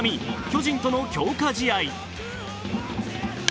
巨人との強化試合。